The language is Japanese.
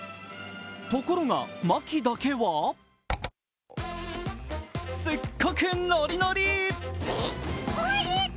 ところが牧だけはすっごくノリノリ。